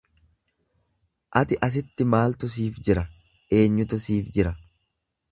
Ati asitti maaltu siif jira? Eenyutu siif jira?